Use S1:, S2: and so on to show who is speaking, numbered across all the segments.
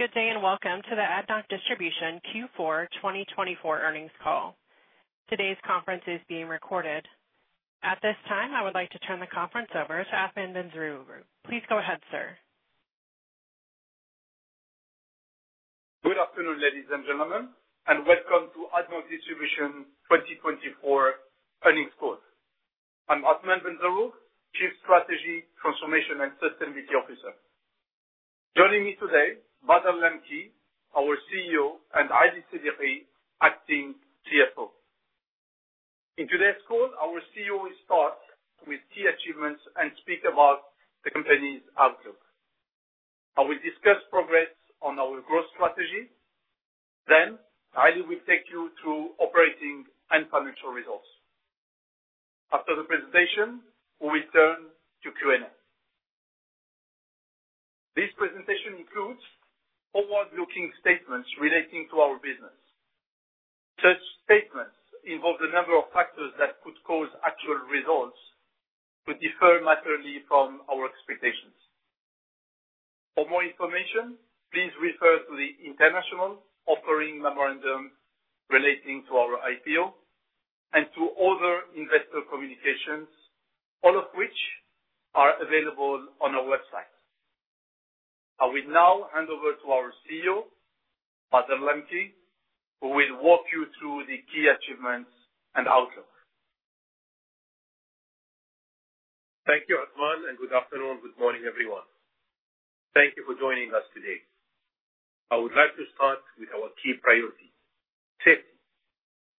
S1: Good day and welcome to the ADNOC Distribution Q4 2024 Earnings Call. Today's conference is being recorded. At this time, I would like to turn the conference over to Athmane Benzerroug. Please go ahead, sir.
S2: Good afternoon, ladies and gentlemen, and welcome to ADNOC Distribution 2024 Earnings Call. I'm Athmane Benzerroug, Chief Strategy Transformation and Sustainability Officer. Joining me today, Bader Al Lamki, our CEO, and Ali Siddiqi, Acting CFO. In today's call, our CEO will start with key achievements and speak about the company's outlook. I will discuss progress on our growth strategy. Then, Ali will take you through operating and financial results. After the presentation, we will turn to Q&A. This presentation includes forward-looking statements relating to our business. Such statements involve a number of factors that could cause actual results to differ materially from our expectations. For more information, please refer to the international offering memorandum relating to our IPO and to other investor communications, all of which are available on our website. I will now hand over to our CEO, Bader Al Lamki, who will walk you through the key achievements and outlook.
S3: Thank you, Athmane, and good afternoon, good morning, everyone. Thank you for joining us today. I would like to start with our key priority: safety,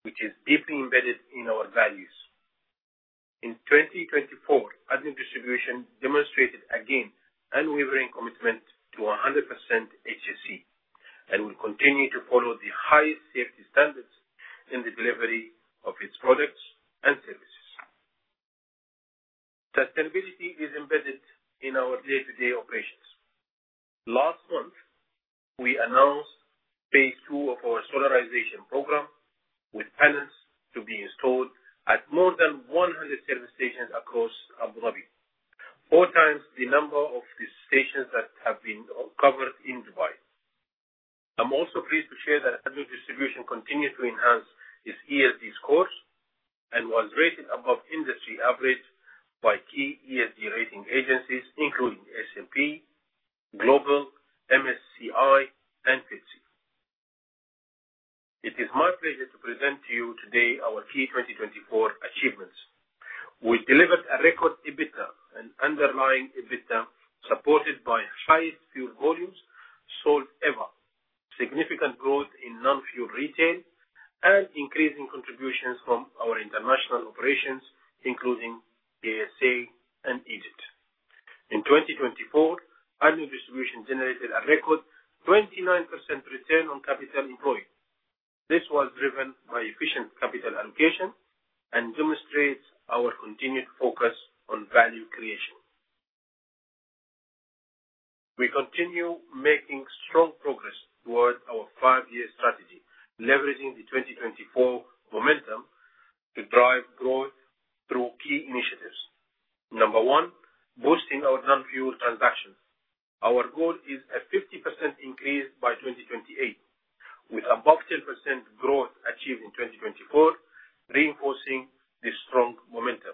S3: which is deeply embedded in our values. In 2024, ADNOC Distribution demonstrated again unwavering commitment to 100% HSE and will continue to follow the highest safety standards in the delivery of its products and services. Sustainability is embedded in our day-to-day operations. Last month, we announced phase II of our solarization program, with panels to be installed at more than 100 service stations across Abu Dhabi, four times the number of the stations that have been covered in Dubai. I'm also pleased to share that ADNOC Distribution continued to enhance its ESG scores and was rated above industry average by key ESG rating agencies, including S&P Global, MSCI, and FTSE. It is my pleasure to present to you today our key 2024 achievements. We delivered a record EBITDA, an underlying EBITDA supported by highest fuel volumes sold ever, significant growth in non-fuel retail, and increasing contributions from our international operations, including KSA and Egypt. In 2024, ADNOC Distribution generated a record 29% return on capital employed. This was driven by efficient capital allocation and demonstrates our continued focus on value creation. We continue making strong progress toward our five-year strategy, leveraging the 2024 momentum to drive growth through key initiatives. Number one, boosting our non-fuel transactions. Our goal is a 50% increase by 2028, with above 10% growth achieved in 2024, reinforcing the strong momentum.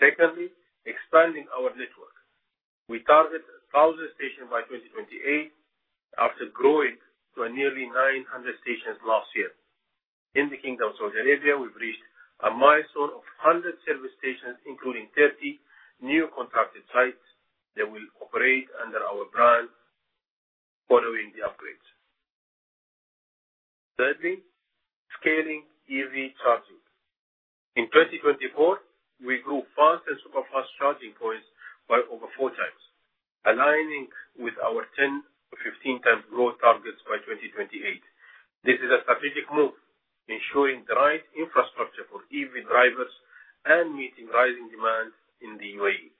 S3: Secondly, expanding our network. We target 1,000 stations by 2028, after growing to nearly 900 stations last year. In the Kingdom of Saudi Arabia, we've reached a milestone of 100 service stations, including 30 new contracted sites that will operate under our brand following the upgrades. Thirdly, scaling EV charging. In 2024, we grew fast and super fast charging points by over 4x, aligning with our 10-15x growth targets by 2028. This is a strategic move, ensuring the right infrastructure for EV drivers and meeting rising demand in the UAE.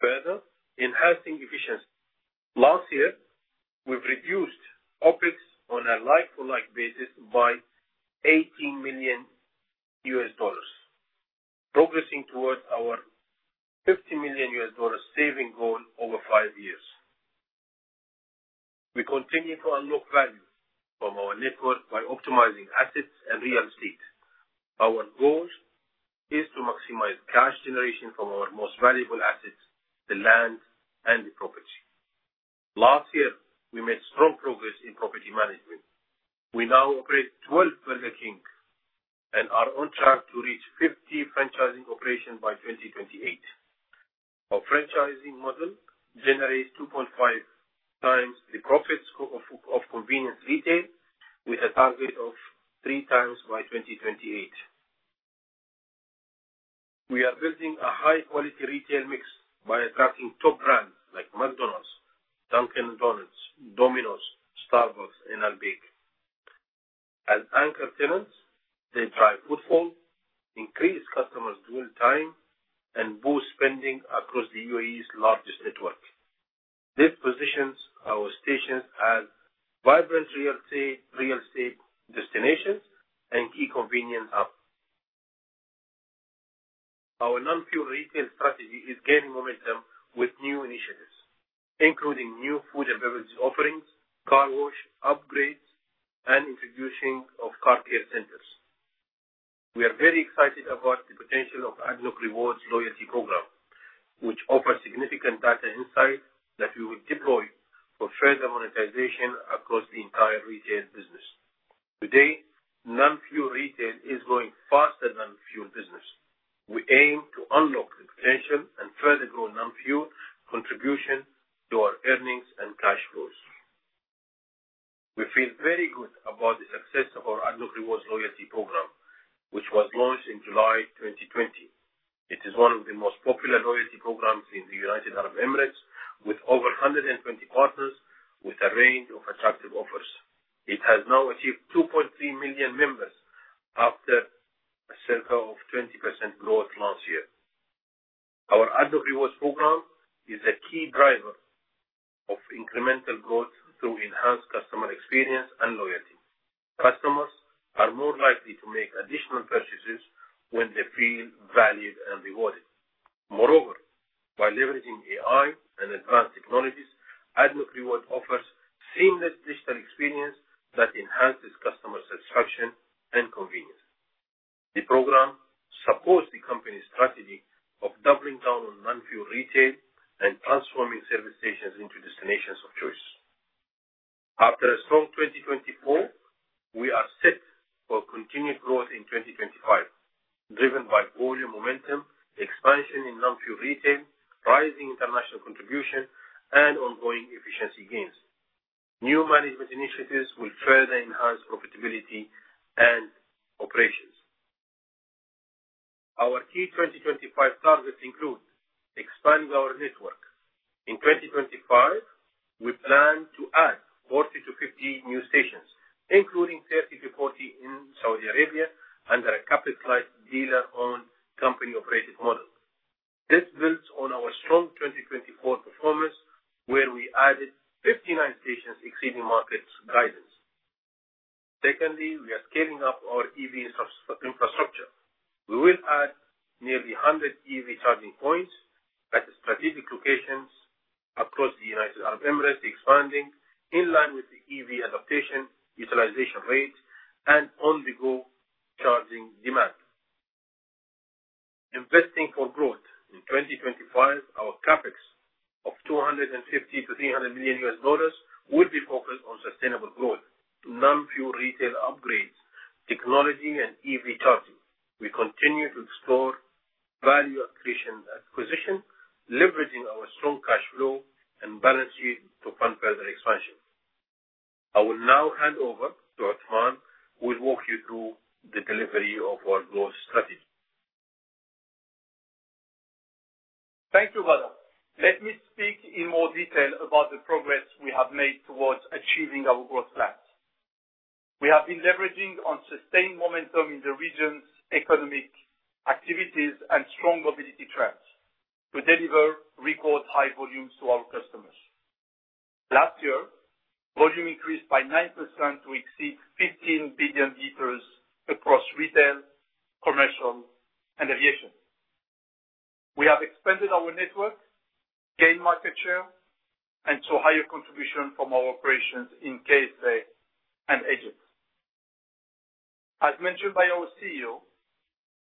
S3: Further, enhancing efficiency. Last year, we've reduced OPEX on a like-for-like basis by $18 million, progressing towards our $50 million saving goal over five years. We continue to unlock value from our network by optimizing assets and real estate. Our goal is to maximize cash generation from our most valuable assets, the land and the property. Last year, we made strong progress in property management. We now operate 12 Burger King and are on track to reach 50 franchising operations by 2028. Our franchising model generates 2.5x the profit score of convenience retail, with a target of 3x by 2028. We are building a high-quality retail mix by attracting top brands like McDonald's, Dunkin' Donuts, Domino's, Starbucks, and Albaik. As anchor tenants, they drive footfall, increase customers' dwell time, and boost spending across the UAE's largest network. This positions our stations as vibrant real estate destinations and key convenience hubs. Our non-fuel retail strategy is gaining momentum with new initiatives, including new food and beverage offerings, car wash upgrades, and introduction of car care centers. We are very excited about the potential of ADNOC Rewards loyalty program, which offers significant data insights that we will deploy for further monetization across the entire retail business. Today, non-fuel retail is growing faster than the fuel business. We aim to unlock the potential and further grow non-fuel contribution to our earnings and cash flows. We feel very good about the success of our ADNOC Rewards loyalty program, which was launched in July 2020. It is one of the most popular loyalty programs in the United Arab Emirates, with over 120 partners with a range of attractive offers. It has now achieved 2.3 million members after a circa of 20% growth last year. Our ADNOC Rewards program is a key driver of incremental growth through enhanced customer experience and loyalty. Customers are more likely to make additional purchases when they feel valued and rewarded. Moreover, by leveraging AI and advanced technologies, ADNOC Rewards offers seamless digital experience that enhances customer satisfaction and convenience. The program supports the company's strategy of doubling down on non-fuel retail and transforming service stations into destinations of choice. After a strong 2024, we are set for continued growth in 2025, driven by volume momentum, expansion in non-fuel retail, rising international contribution, and ongoing efficiency gains. New management initiatives will further enhance profitability and operations. Our key 2025 targets include expanding our network. In 2025, we plan to add 40-50 new stations, including 30-40 in Saudi Arabia under a capitalized dealer-owned company-operated model. This builds on our strong 2024 performance, where we added 59 stations exceeding market guidance. Secondly, we are scaling up our EV infrastructure. We will add nearly 100 EV charging points at strategic locations across the United Arab Emirates, expanding in line with the EV adaptation utilization rate and on-the-go charging demand. Investing for growth. In 2025, our CAPEX of $250 million-$300 million will be focused on sustainable growth, non-fuel retail upgrades, technology, and EV charging. We continue to explore value acquisition, leveraging our strong cash flow and balance sheet to fund further expansion. I will now hand over to Athmane, who will walk you through the delivery of our growth strategy.
S2: Thank you, Bader. Let me speak in more detail about the progress we have made towards achieving our growth plans. We have been leveraging on sustained momentum in the region's economic activities and strong mobility trends to deliver record high volumes to our customers. Last year, volume increased by 9% to exceed 15 billion liters across retail, commercial, and aviation. We have expanded our network, gained market share, and saw higher contribution from our operations in KSA and Egypt. As mentioned by our CEO,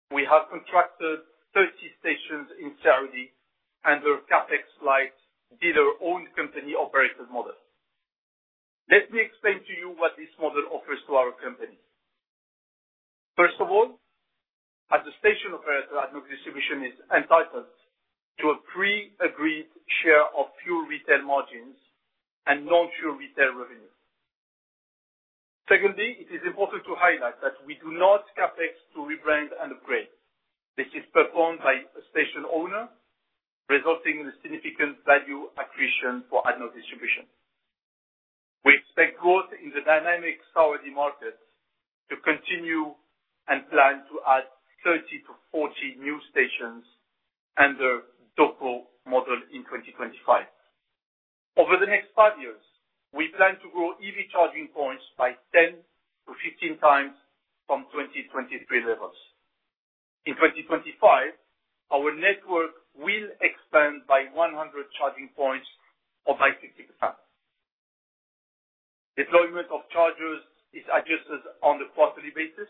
S2: we have contracted 30 stations in Saudi under CAPEX-light dealer-owned company-operated model. Let me explain to you what this model offers to our company. First of all, as a station operator, ADNOC Distribution is entitled to a pre-agreed share of fuel retail margins and non-fuel retail revenue. Secondly, it is important to highlight that we do not CAPEX to rebrand and upgrade. This is performed by a station owner, resulting in a significant value accretion for ADNOC Distribution. We expect growth in the dynamic Saudi market to continue and plan to add 30-40 new stations under DOCO model in 2025. Over the next five years, we plan to grow EV charging points by 10-15x from 2023 levels. In 2025, our network will expand by 100 charging points or by 50%. Deployment of chargers is adjusted on a quarterly basis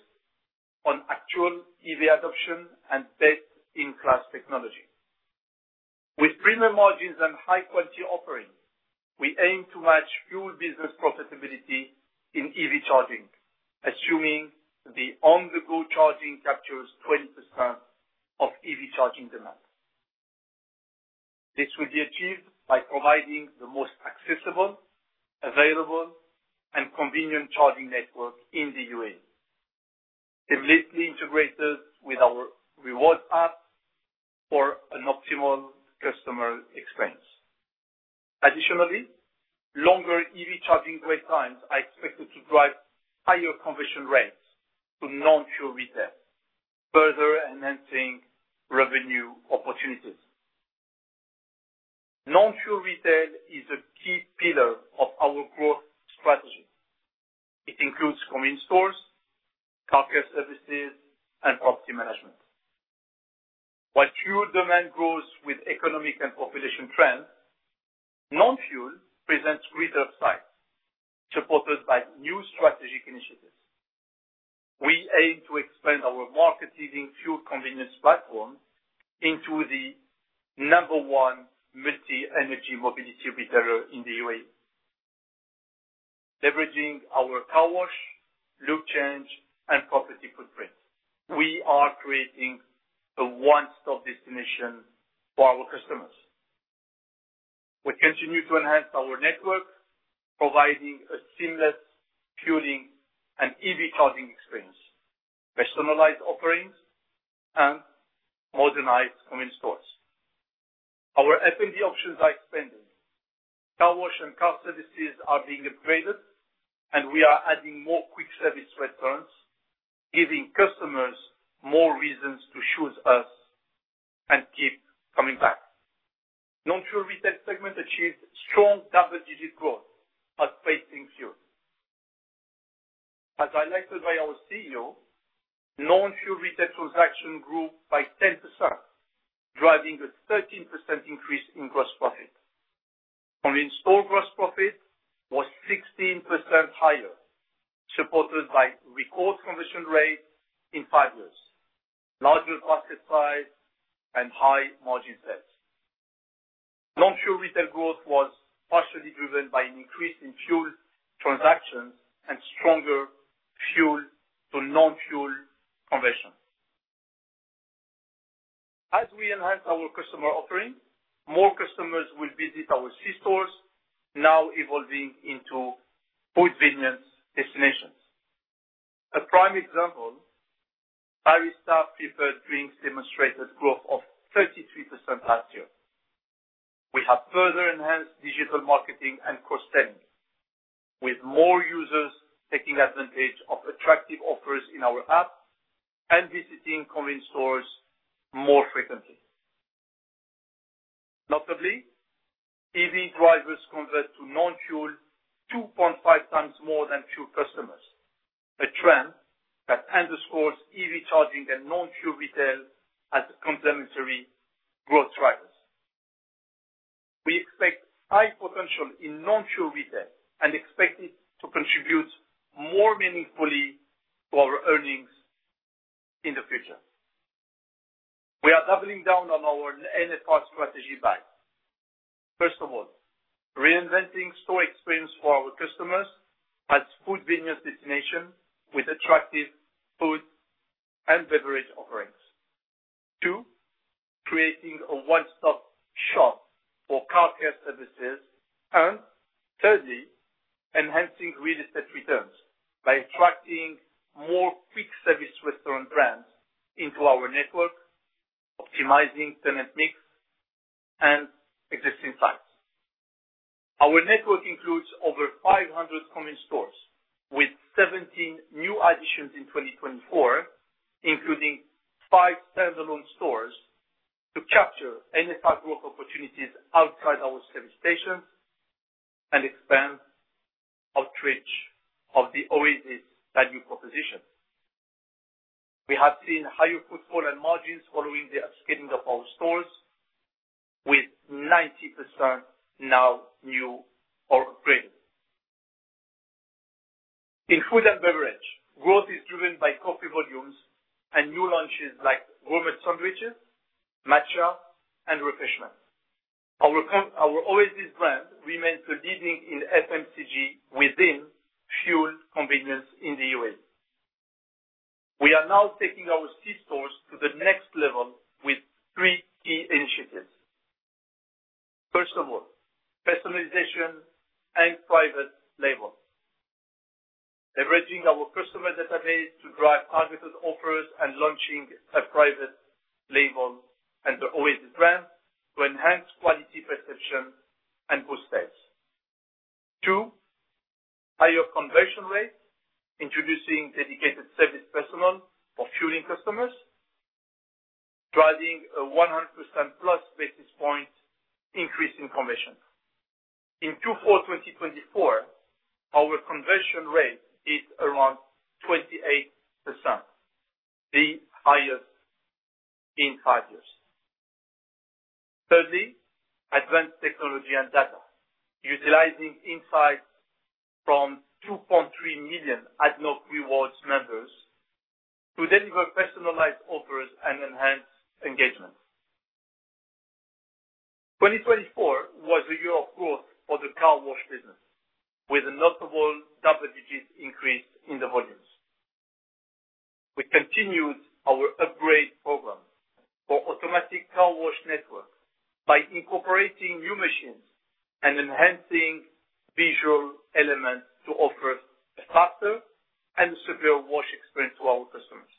S2: on actual EV adoption and best-in-class technology. With premium margins and high-quality offerings, we aim to match fuel business profitability in EV charging, assuming the on-the-go charging captures 20% of EV charging demand. This will be achieved by providing the most accessible, available, and convenient charging network in the UAE, similarly integrated with our rewards app for an optimal customer experience. Additionally, longer EV charging wait times are expected to drive higher conversion rates to non-fuel retail, further enhancing revenue opportunities. Non-fuel retail is a key pillar of our growth strategy. It includes convenience stores, car care services, and property management. While fuel demand grows with economic and population trends, non-fuel presents greater upside, supported by new strategic initiatives. We aim to expand our market-leading fuel convenience platform into the number one multi-energy mobility retailer in the UAE, leveraging our car wash, lube change, and property footprint. We are creating a one-stop destination for our customers. We continue to enhance our network, providing a seamless fueling and EV charging experience, personalized offerings, and modernized convenience stores. Our F&B options are expanding. Car wash and car services are being upgraded, and we are adding more quick-service restaurants, giving customers more reasons to choose us and keep coming back. Non-fuel retail segment achieved strong double-digit growth outpacing fuel. As highlighted by our CEO, non-fuel retail transactions grew by 10%, driving a 13% increase in gross profit. Convenience store gross profit was 16% higher, supported by record conversion rates in five years, larger basket size, and high margin sets. Non-fuel retail growth was partially driven by an increase in fuel transactions and stronger fuel-to-non-fuel conversion. As we enhance our customer offering, more customers will visit our C-stores, now evolving into food-venience destinations. A prime example, barista-prepared drinks demonstrated growth of 33% last year. We have further enhanced digital marketing and cross-selling, with more users taking advantage of attractive offers in our app and visiting convenience stores more frequently. Notably, EV drivers convert to non-fuel 2.5x more than fuel customers, a trend that underscores EV charging and non-fuel retail as complementary growth drivers. We expect high potential in non-fuel retail and expect it to contribute more meaningfully to our earnings in the future. We are doubling down on our NFR strategy by, first of all, reinventing store experience for our customers as food-venience destination with attractive food and beverage offerings. Two, creating a one-stop shop for car care services. And thirdly, enhancing real estate returns by attracting more quick-service restaurant brands into our network, optimizing tenant mix and existing sites. Our network includes over 500 convenience stores with 17 new additions in 2024, including five standalone stores to capture NFR growth opportunities outside our service stations and expand outreach of the Oasis value proposition. We have seen higher footfall and margins following the upscaling of our stores, with 90% now new or upgraded. In food and beverage, growth is driven by coffee volumes and new launches like gourmet sandwiches, matcha, and refreshments. Our Oasis brand remains the leading in FMCG within fuel convenience in the UAE. We are now taking our C-stores to the next level with three key initiatives. First of all, personalization and private label. Leveraging our customer database to drive targeted offers and launching a private label and the Oasis brand to enhance quality perception and boost sales. Two, higher conversion rate, introducing dedicated service personnel for fueling customers, driving a 100%-plus basis points increase in conversion. In Q4 2024, our conversion rate is around 28%, the highest in five years. Thirdly, advanced technology and data, utilizing insights from 2.3 million ADNOC Rewards members to deliver personalized offers and enhance engagement. 2024 was a year of growth for the car wash business, with a notable double-digit increase in the volumes. We continued our upgrade program for automatic car wash network by incorporating new machines and enhancing visual elements to offer a faster and a superior wash experience to our customers.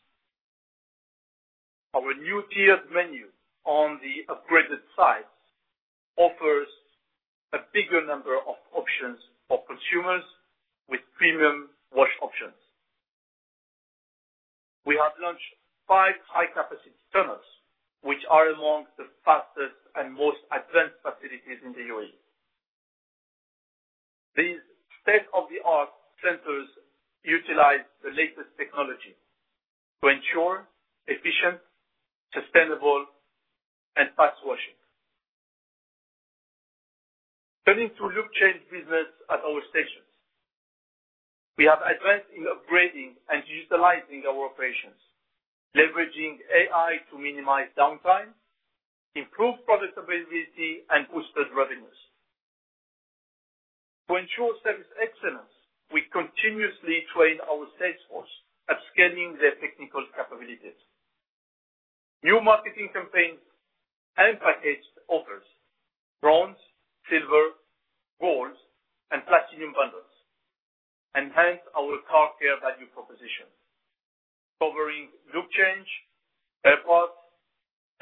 S2: Our new tiered menu on the upgraded sites offers a bigger number of options for consumers with premium wash options. We have launched five high-capacity tunnels, which are among the fastest and most advanced facilities in the UAE. These state-of-the-art centers utilize the latest technology to ensure efficient, sustainable, and fast washing. Turning to lube change business at our stations, we have advanced in upgrading and utilizing our operations, leveraging AI to minimize downtime, improve product availability, and boost revenues. To ensure service excellence, we continuously train our salesforce at scaling their technical capabilities. New marketing campaigns and packaged offers, Bronze, Silver, Gold, and Platinum bundles, enhance our car care value proposition, covering lube change, car wash,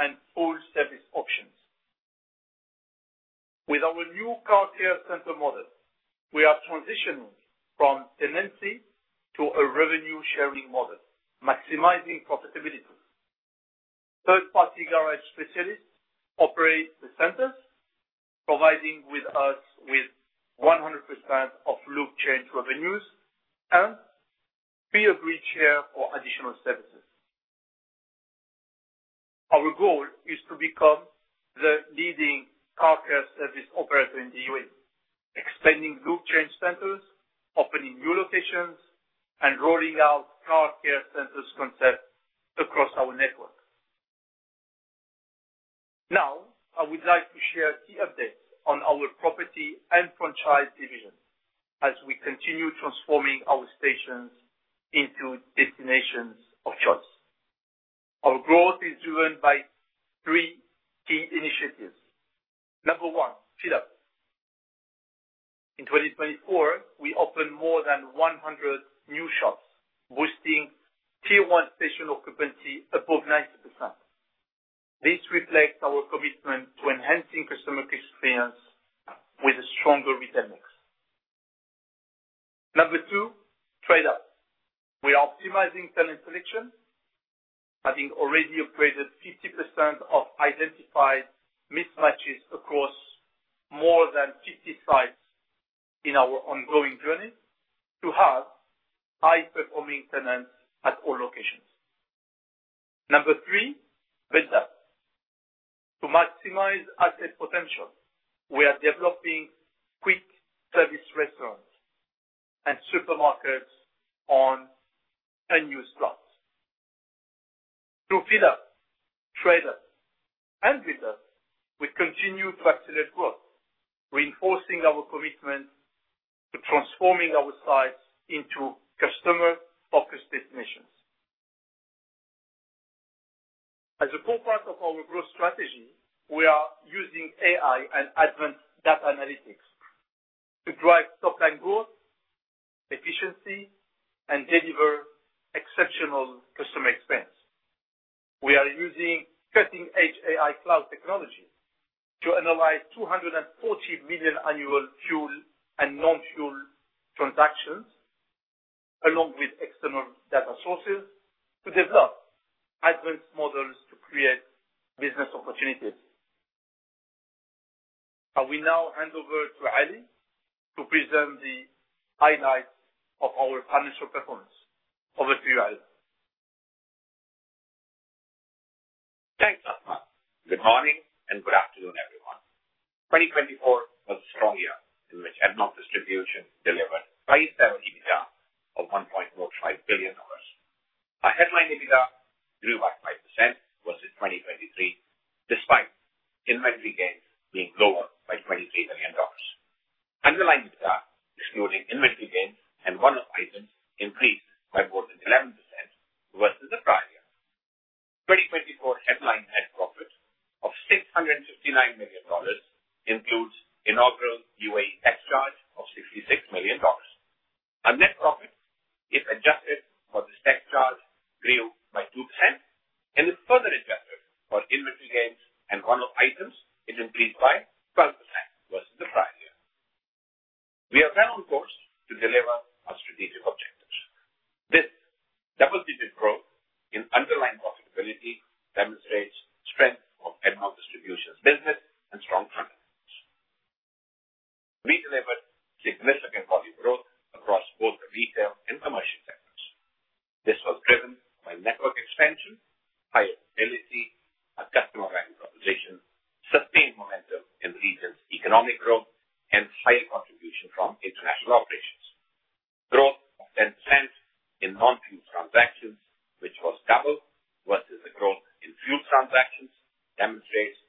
S2: and full service options. With our new car care center model, we are transitioning from tenancy to a revenue-sharing model, maximizing profitability. Third-party garage specialists operate the centers, providing us with 100% of lube change revenues and pre-agreed share for additional services. Our goal is to become the leading car care service operator in the UAE, expanding lube change centers, opening new locations, and rolling out car care centers concept across our network. Now, I would like to share key updates on our property and franchise division as we continue transforming our stations into destinations of choice. Our growth is driven by three key initiatives. Number one, Fill-Up. In 2024, we opened more than 100 new shops, boosting tier-one station occupancy above 90%. This reflects our commitment to enhancing customer experience with a stronger retail mix. Number two, Trade-Off. We are optimizing tenant selection, having already upgraded 50% of identified mismatches across more than 50 sites in our ongoing journey to have high-performing tenants at all locations. Number three, Bid-Up. To maximize asset potential, we are developing quick-service restaurants and supermarkets on a new slot. Through Fill-Up, Trade-Off, and Bid-Up, we continue to accelerate growth, reinforcing our commitment to transforming our sites into customer-focused destinations. As a core part of our growth strategy, we are using AI and advanced data analytics to drive top-line growth, efficiency, and deliver exceptional customer experience. We are using cutting-edge AI cloud technology to analyze 240 million annual fuel and non-fuel transactions, along with external data sources, to develop advanced models to create business opportunities. I will now hand over to Ali to present the highlights of our financial performance. Over to you, Ali.
S4: Thanks, Athmane. Good morning and good afternoon, everyone. 2024 was a strong year in which ADNOC Distribution delivered a price-driven EBITDA of $1.05 billion. Our headline EBITDA grew by 5% versus 2023, despite inventory gains being lower by $23 million. Underlying EBITDA, excluding inventory gains and one-off items, increased by more than 11% versus the prior year. 2024 headline net profit of $659 million includes inaugural UAE tax charge of $66 million. Our net profit, if adjusted for the tax charge, grew by 2%, and if further adjusted for inventory gains and one-off items, it increased by 12% versus the prior year. We are well on course to deliver our strategic objectives. This double-digit growth in underlying profitability demonstrates strength of ADNOC Distribution's business and strong fundamentals. We delivered significant volume growth across both the retail and commercial segments. This was driven by network expansion, higher fidelity, a customer value proposition, sustained momentum in the region's economic growth, and higher contribution from international operations. Growth of 10% in non-fuel transactions, which was double versus the growth in fuel transactions, demonstrates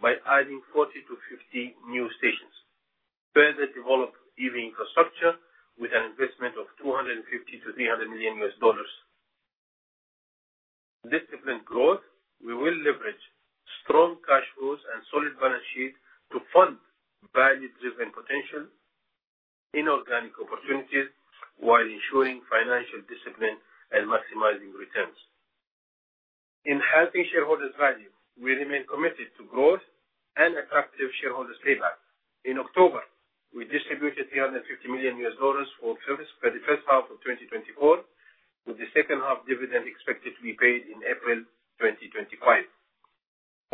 S3: by adding 40-50 new stations, further develop EV infrastructure with an investment of $250 million-$300 million. Disciplined growth. We will leverage strong cash flows and solid balance sheet to fund value-driven potential inorganic opportunities while ensuring financial discipline and maximizing returns. Enhancing shareholders' value. We remain committed to growth and attractive shareholders' payback. In October, we distributed $350 million for service for the first half of 2024, with the second half dividend expected to be paid in April 2025.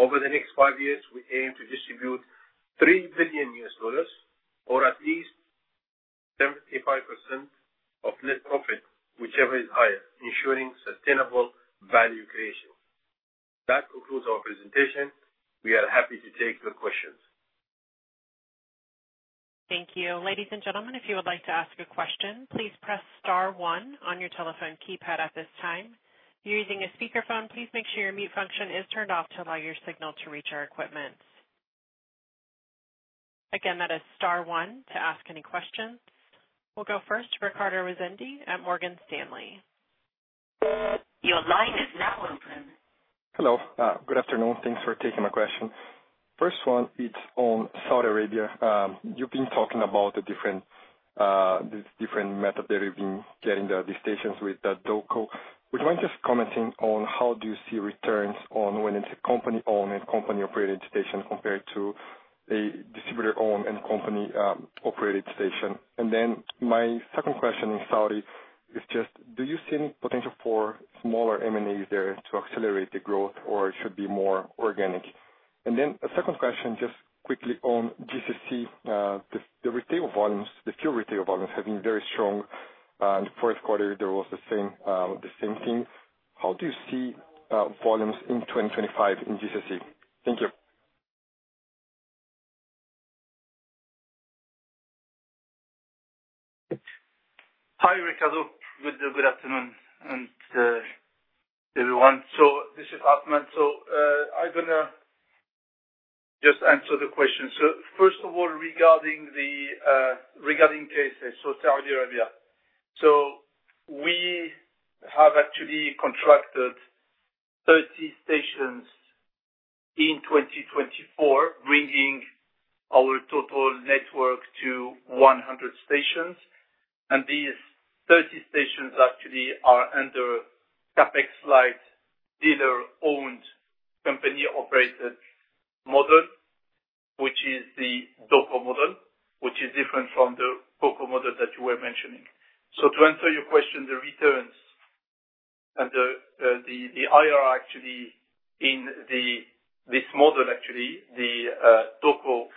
S3: Over the next five years, we aim to distribute $3 billion or at least 75% of net profit, whichever is higher, ensuring sustainable value creation. That concludes our presentation. We are happy to take your questions.
S1: Thank you. Ladies and gentlemen, if you would like to ask a question, please press star one on your telephone keypad at this time. If you're using a speakerphone, please make sure your mute function is turned off to allow your signal to reach our equipment. Again, that is star one to ask any questions. We'll go first to Ricardo Rezende at Morgan Stanley. Your line is now open.
S5: Hello. Good afternoon. Thanks for taking my question. First one, it's on Saudi Arabia. You've been talking about the different method that you've been getting the stations with, the DOCO. Would you mind just commenting on how do you see returns on when it's a company-owned and company-operated station compared to a dealer-owned and company-operated station? And then my second question in Saudi is just, do you see any potential for smaller M&As there to accelerate the growth, or it should be more organic? And then a second question, just quickly on GCC, the retail volumes, the fuel retail volumes have been very strong. In the fourth quarter, there was the same thing. How do you see volumes in 2025 in GCC? Thank you.
S2: Hi, Ricardo. Good afternoon, everyone. So this is Athmane. So I'm going to just answer the question. So first of all, regarding KSA, so Saudi Arabia. So we have actually contracted 30 stations in 2024, bringing our total network to 100 stations. And these 30 stations actually are under CAPEX-light dealer-owned company-operated model, which is the DOCO model, which is different from the COCO model that you were mentioning. So to answer your question, the returns and the IRR actually in this model, actually the DOCO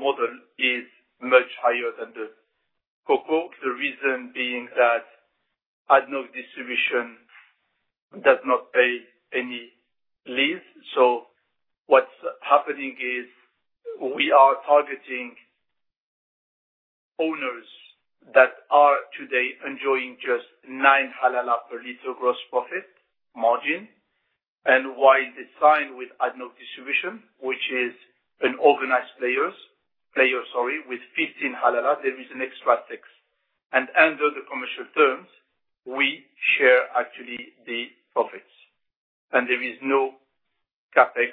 S2: model is much higher than the COCO, the reason being that ADNOC Distribution does not pay any lease. So what's happening is we are targeting owners that are today enjoying just nine halala per liter gross profit margin. And while they sign with ADNOC Distribution, which is an organized player—sorry—with 15 halala, there is an extra six. And under the commercial terms, we share actually the profits. And there is no CAPEX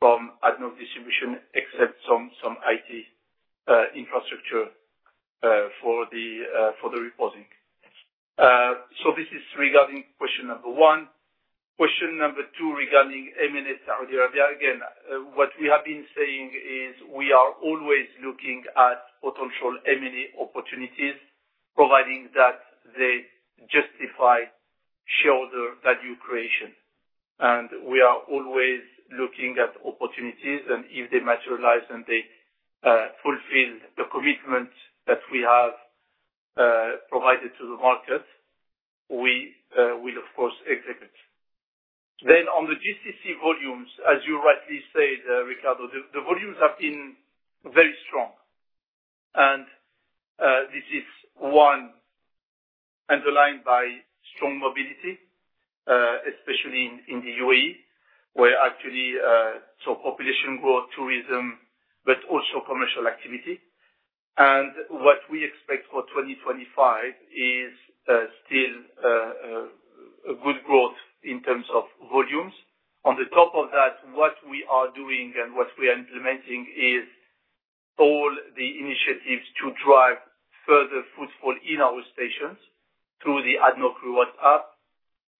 S2: from ADNOC Distribution except some IT infrastructure for the repositioning. So this is regarding question number one. Question number two regarding M&A Saudi Arabia. Again, what we have been saying is we are always looking at potential M&A opportunities, provided that they justify shareholder value creation. And we are always looking at opportunities. And if they materialize and they fulfill the commitment that we have provided to the market, we will, of course, execute. Then on the GCC volumes, as you rightly said, Ricardo, the volumes have been very strong. And this is one underpinned by strong mobility, especially in the UAE, where actually so population growth, tourism, but also commercial activity. What we expect for 2025 is still a good growth in terms of volumes. On the top of that, what we are doing and what we are implementing is all the initiatives to drive further footfall in our stations through the ADNOC Rewards app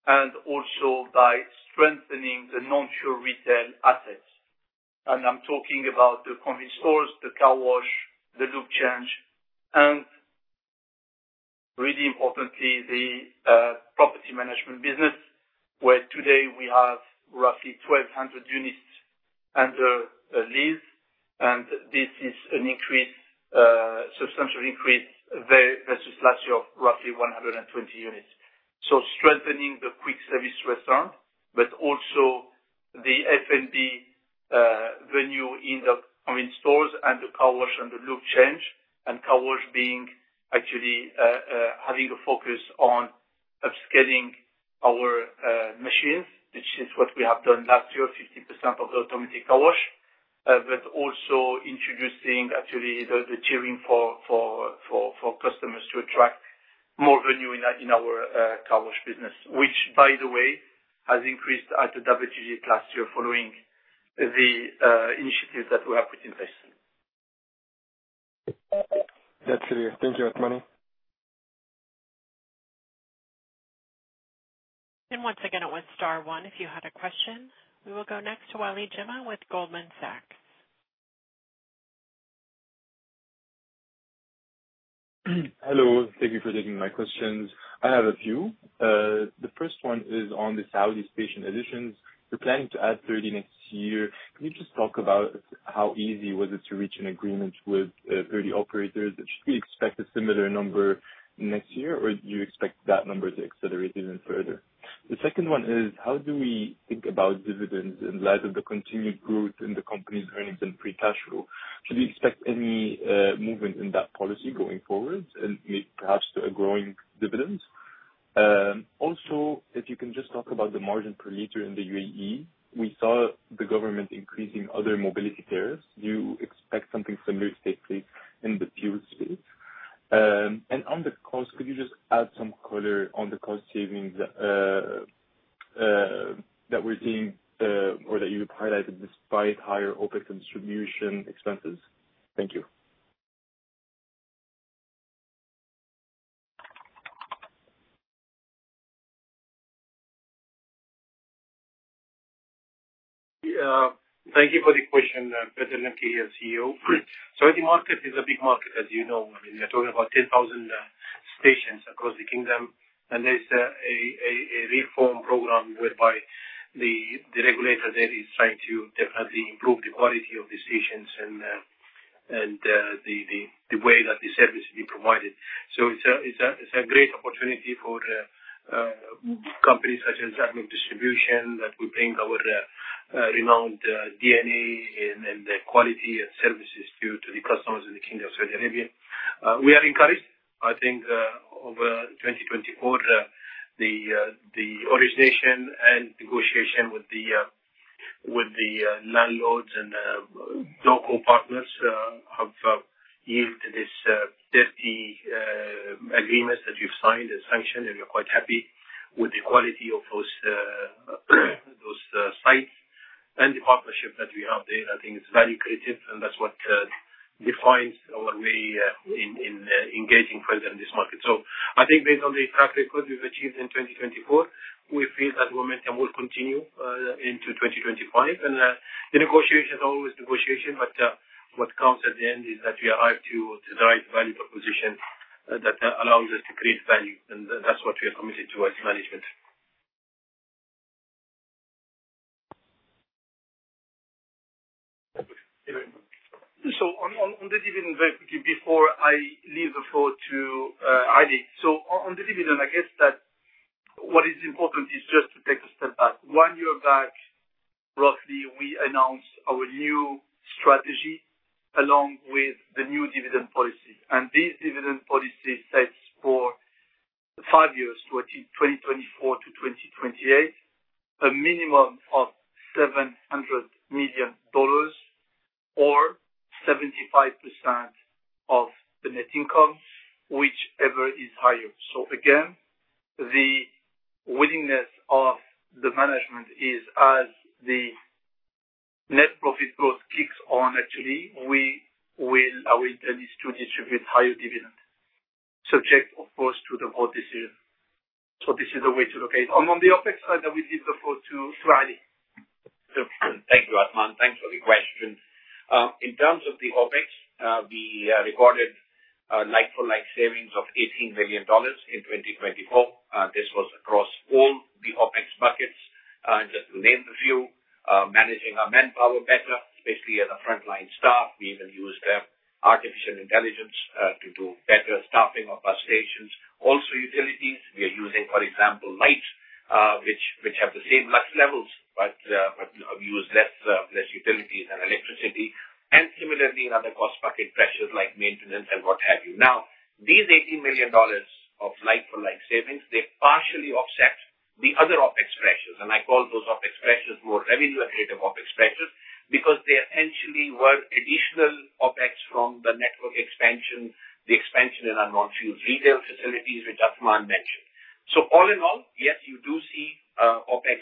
S2: and also by strengthening the non-fuel retail assets. And I'm talking about the convenience stores, the car wash, the lube change, and really importantly, the property management business, where today we have roughly 1,200 units under lease. And this is an increase, a substantial increase versus last year of roughly 120 units. Strengthening the quick service restaurant, but also the F&B venue in the convenience stores and the car wash and the lube change, and car wash being actually having a focus on upscaling our machines, which is what we have done last year, 50% of the automatic car wash, but also introducing actually the tiering for customers to attract more volume in our car wash business, which, by the way, has increased at the double-digit last year following the initiatives that we have put in place.
S5: That's it. Thank you, Athmane.
S1: And once again, it was star one if you had a question. We will go next to Waleed Jimma with Goldman Sachs.
S6: Hello. Thank you for taking my questions. I have a few. The first one is on the Saudi station additions. We're planning to add 30 next year. Can you just talk about how easy was it to reach an agreement with 30 operators? Should we expect a similar number next year, or do you expect that number to accelerate even further? The second one is, how do we think about dividends in light of the continued growth in the company's earnings and free cash flow? Should we expect any movement in that policy going forward and maybe perhaps to a growing dividend? Also, if you can just talk about the margin per liter in the UAE, we saw the government increasing other mobility tariffs. Do you expect something similar to take place in the fuel space? And on the cost, could you just add some color on the cost savings that we're seeing or that you've highlighted despite higher OPEX and distribution expenses? Thank you.
S3: Thank you for the question, Bader Al Lamki here, CEO. Saudi market is a big market, as you know. I mean, we're talking about 10,000 stations across the kingdom, and there's a reform program whereby the regulator there is trying to definitely improve the quality of the stations and the way that the service is being provided, so it's a great opportunity for companies such as ADNOC Distribution that will bring our renowned DNA and quality and services to the customers in the Kingdom of Saudi Arabia. We are encouraged. I think over 2024, the origination and negotiation with the landlords and DOCO partners have yielded this 30 agreements that we've signed and sanctioned, and we're quite happy with the quality of those sites and the partnership that we have there. I think it's very creative, and that's what defines our way in engaging further in this market. I think based on the track record we've achieved in 2024, we feel that momentum will continue into 2025. The negotiation is always negotiation, but what counts at the end is that we arrive to the right value proposition that allows us to create value. That's what we are committed to as management.
S2: On the dividend, very quickly before I leave the floor to Ali. On the dividend, I guess that what is important is just to take a step back. One year back, roughly, we announced our new strategy along with the new dividend policy. These dividend policies set for five years to 2024 to 2028, a minimum of $700 million or 75% of the net income, whichever is higher. So again, the willingness of the management is as the net profit growth kicks on. Actually, I will tell you to distribute higher dividend, subject, of course, to the board decision. So this is the way to look at it. And on the OPEX side, I will leave the floor to Ali.
S4: Thank you, Athmane. Thanks for the question. In terms of the OPEX, we recorded like-for-like savings of $18 million in 2024. This was across all the OPEX buckets, just to name a few. Managing our manpower better, especially at the frontline staff. We even used artificial intelligence to do better staffing of our stations. Also, utilities. We are using, for example, lights, which have the same lux levels, but we use less utilities and electricity. And similarly, in other cost bucket pressures like maintenance and what have you. Now, these $18 million of like-for-like savings, they partially offset the other OPEX pressures, and I call those OPEX pressures more revenue-accretive OPEX pressures because they essentially were additional OPEX from the network expansion, the expansion in our non-fuel retail facilities, which Athmane mentioned. So all in all, yes, you do see OPEX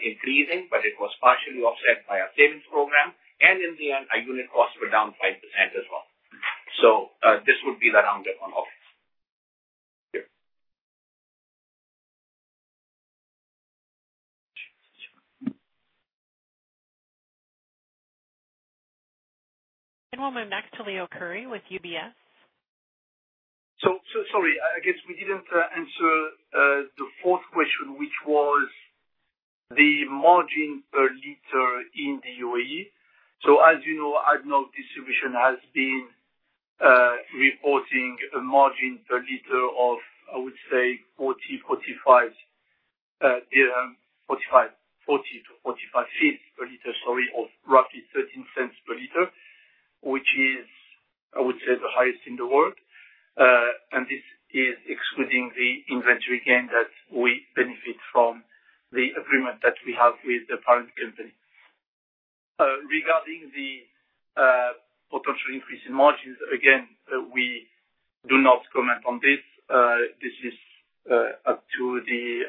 S4: increasing, but it was partially offset by our savings program, and in the end, our unit costs were down 5% as well. So this would be the rundown on OPEX.
S1: And we'll move next to Leo Curry with UBS.
S2: So sorry, I guess we didn't answer the fourth question, which was the margin per liter in the UAE. As you know, ADNOC Distribution has been reporting a margin per liter of, I would say, 40-45 fils per liter, sorry, of roughly 13 cents per liter, which is, I would say, the highest in the world. This is excluding the inventory gain that we benefit from the agreement that we have with the parent company. Regarding the potential increase in margins, again, we do not comment on this. This is up to the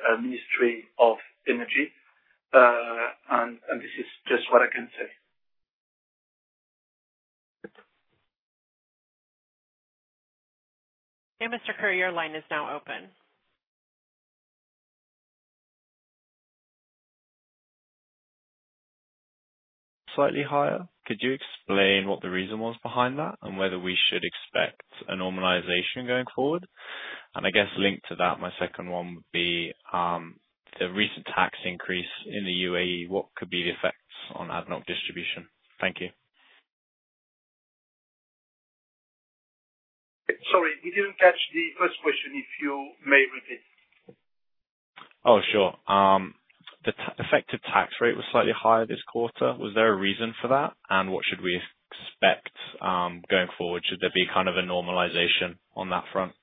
S2: Ministry of Energy. This is just what I can say.
S1: Mr. Curry, your line is now open.
S7: Slightly higher. Could you explain what the reason was behind that and whether we should expect a normalization going forward? I guess linked to that, my second one would be the recent tax increase in the UAE. What could be the effects on ADNOC Distribution? Thank you.
S2: Sorry, you didn't catch the first question. If you may repeat.
S7: Oh, sure. The effective tax rate was slightly higher this quarter. Was there a reason for that? And what should we expect going forward? Should there be kind of a normalization on that front?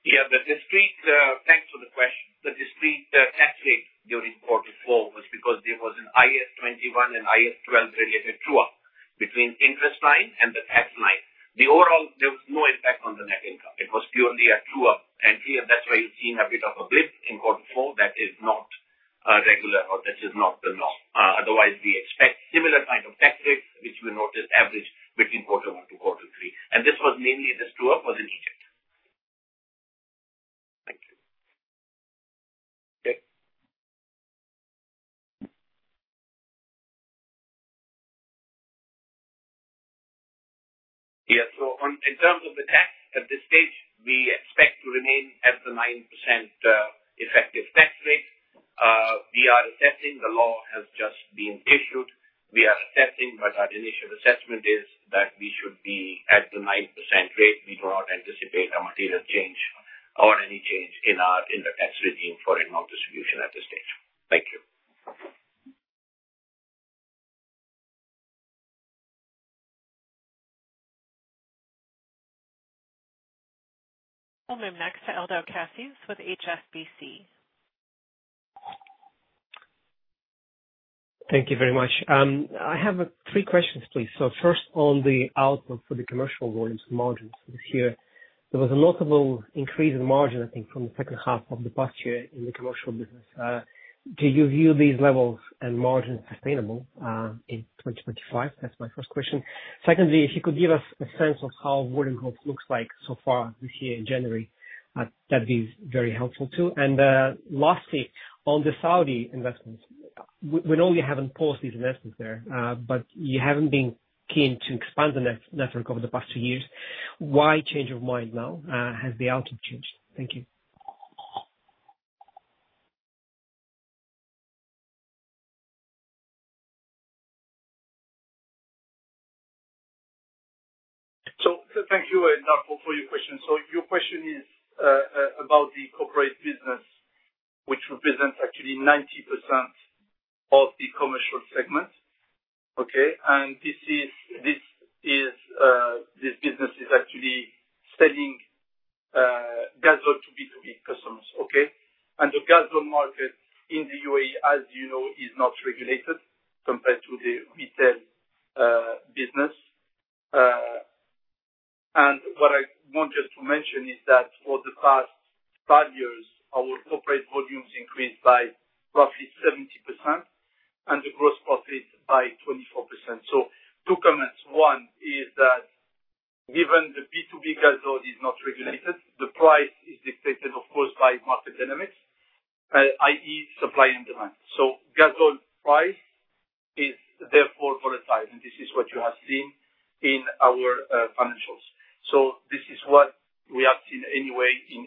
S4: Yeah, the discrete thanks for the question. The discrete tax rate during quarter four was because there was an IAS 21 and IAS 12 related true-up between interest line and the tax line. The overall, there was no impact on the net income. It was purely a true-up. And here, that's where you've seen a bit of a blip in quarter four that is not regular or that is not the norm. Otherwise, we expect similar kind of tax rates, which we noticed average between quarter one to quarter three. And this was mainly this true-up was in Egypt. Yeah. So in terms of the tax, at this stage, we expect to remain at the 9% effective tax rate. We are assessing. The law has just been issued. We are assessing, but our initial assessment is that we should be at the 9% rate. We do not anticipate a material change or any change in the tax regime for ADNOC Distribution at this stage. Thank you.
S1: We'll move next to Ildar Khaziev with HSBC.
S8: Thank you very much. I have three questions, please. So first, on the outlook for the commercial volumes and margins this year, there was a notable increase in margin, I think, from the second half of the past year in the commercial business. Do you view these levels and margins sustainable in 2025? That's my first question. Secondly, if you could give us a sense of how volume growth looks like so far this year in January, that'd be very helpful too. And lastly, on the Saudi investments, we know you haven't paused these investments there, but you haven't been keen to expand the network over the past two years. Why change of mind now? Has the outlook changed? Thank you.
S2: So thank you for your question. So your question is about the corporate business, which represents actually 90% of the commercial segment, okay? And this business is actually selling gasoline to B2B customers, okay? And the gasoline market in the UAE, as you know, is not regulated compared to the retail business. And what I want just to mention is that for the past five years, our corporate volumes increased by roughly 70% and the gross profit by 24%. So two comments. One is that given the B2B gasoline is not regulated, the price is dictated, of course, by market dynamics, i.e., supply and demand. So gasoline price is therefore volatile. And this is what you have seen in our financials. So this is what we have seen anyway in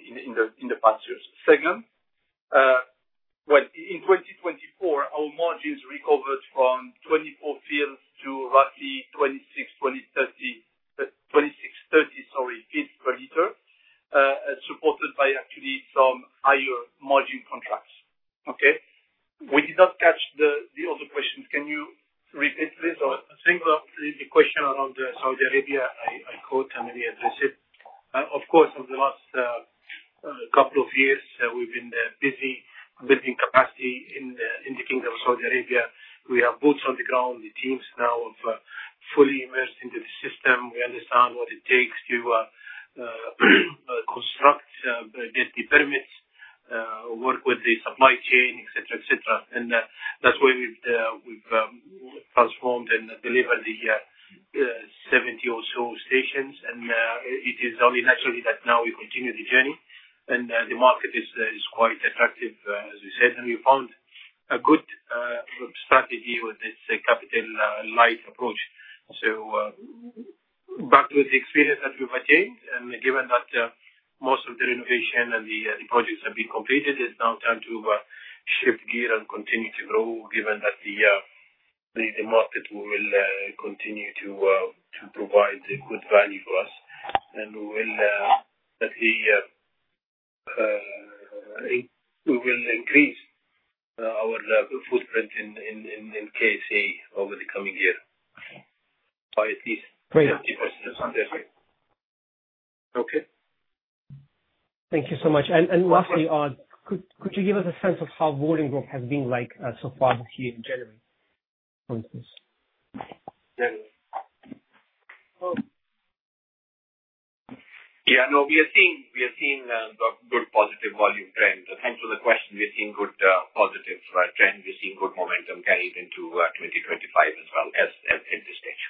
S8: Yeah.
S4: No, we are seeing good positive volume trend. Thanks for the question. We're seeing good positive trend. We're seeing good momentum carried into 2025 as well at this stage.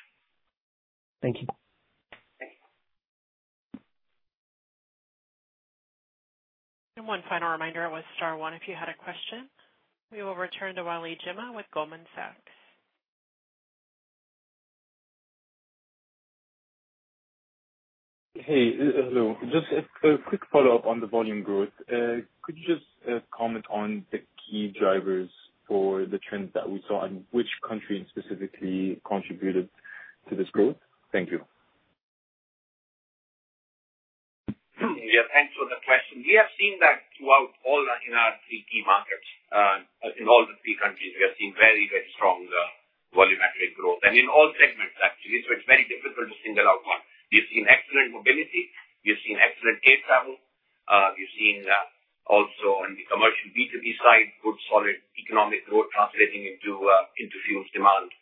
S8: Thank you.
S1: And one final reminder with Star One, if you had a question, we will return to Waleed Jimma with Goldman Sachs.
S6: Hey, hello. Just a quick follow-up on the volume growth. Could you just comment on the key drivers for the trends that we saw and which country specifically contributed to this growth? Thank you.
S3: Yeah, thanks for the question. We have seen that throughout all in our three key markets in all the three countries, we have seen very, very strong volumetric growth. And in all segments, actually, so it's very difficult to single out one. We've seen excellent mobility. We've seen excellent air travel. We've seen also on the commercial B2B side, good solid economic growth translating into fuel demand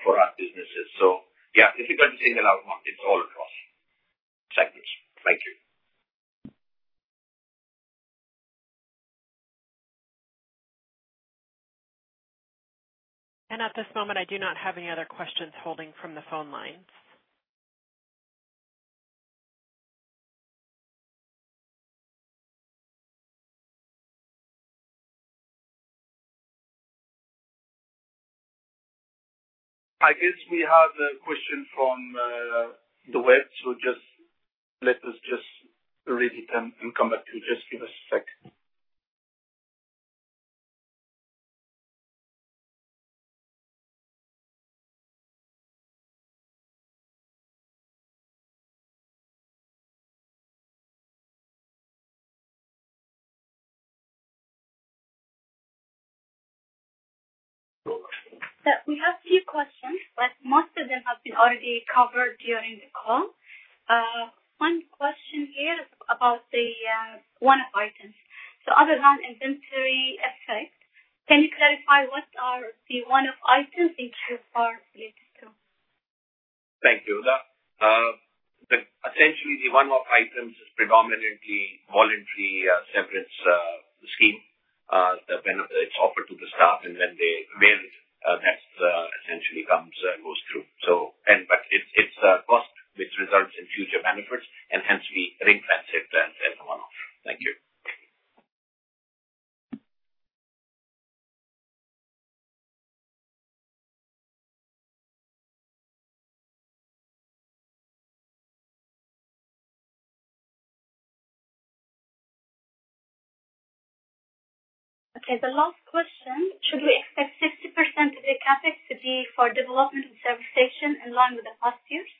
S3: for our businesses. So yeah, difficult to single out one. It's all across segments. Thank you.
S1: And at this moment, I do not have any other questions holding from the phone lines.
S2: I guess we have a question from the web, so let us just read it and come back to it. Just give us a sec.
S1: We have a few questions, but most of them have been already covered during the call. One question here is about the one-off items. So other than inventory effect, can you clarify what are the one-off items and who are related to?
S3: Thank you. Essentially, the one-off items is predominantly voluntary severance scheme. It's offered to the staff, and when they availed, that essentially goes through. But it's a cost which results in future benefits, and hence we ring-fence it as a one-off. Thank you.
S1: Okay. The last question. Should we expect 60% of the capacity for development and service station in line with the past years?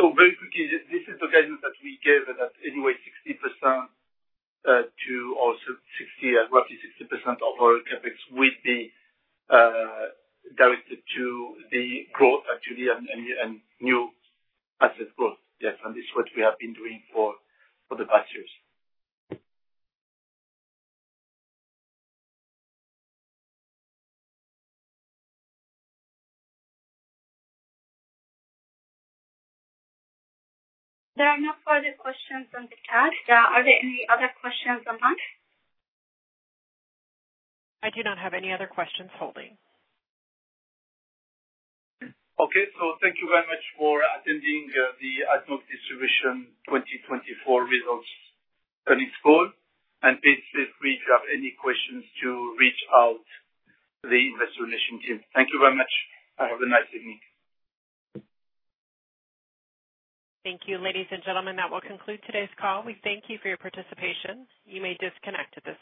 S2: So very quickly, this is the guidance that we gave that anyway, 60% to also roughly 60% of our CAPEX would be directed to the growth, actually, and new asset growth. Yes. And this is what we have been doing for the past years.
S1: There are no further questions on the chat. Are there any other questions online? I do not have any other questions holding.
S2: Okay. So thank you very much for attending the ADNOC Distribution 2024 results and its call. And please feel free if you have any questions to reach out to the Investor Relations team. Thank you very much. Have a nice evening.
S1: Thank you, ladies and gentlemen. That will conclude today's call. We thank you for your participation. You may disconnect at this point.